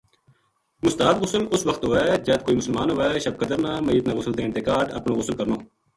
مستحب غسل اس وخت ہووئے جد کوئی مسلمان ہووے، شب قدر نا، میت نا غسل دین تے کاہڈ اپنو غسل کرنو۔